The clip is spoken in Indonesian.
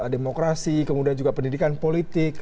demokrasi kemudian juga pendidikan politik